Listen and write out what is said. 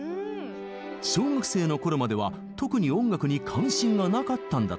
小学生のころまでは特に音楽に関心がなかったんだとか。